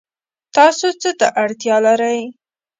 تاسو څه ته اړتیا لرئ؟